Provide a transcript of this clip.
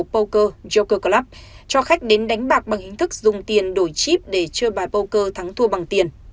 poker yoker club cho khách đến đánh bạc bằng hình thức dùng tiền đổi chip để chơi bài poker thắng thua bằng tiền